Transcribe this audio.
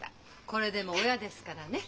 これでも親ですからね。